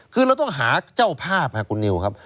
คือเราต้องหาเจ้าภาพค่ะคุณนิวครับ